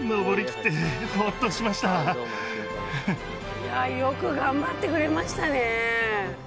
いやよく頑張ってくれましたね。